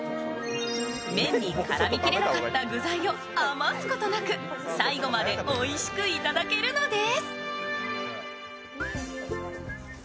麺に絡みきれなかった具材を余すことなく最後までおいしくいただけるのです。